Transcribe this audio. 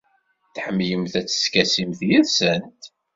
Tḥemmlemt ad teskasimt yid-sent?